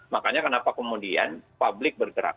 makanya kenapa kemudian publik bergerak